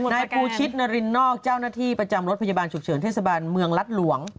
นายภูชิตนรินนอกเจ้าหน้าที่ประจำรถพยาบาลฉุกเฉินเทศบาลเมืองรัฐหลวง